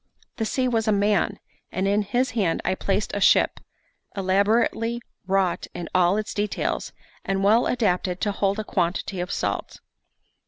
The sea was a man, and in his hand I placed a ship, elaborately wrought in all its details, and well adapted to hold a quantity of salt.